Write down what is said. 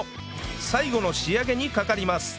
最後の仕上げにかかります